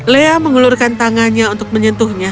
lea mengelurkan tangannya untuk menyentuhnya